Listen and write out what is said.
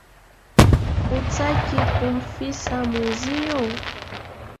Hutaki kumfisa mwezio?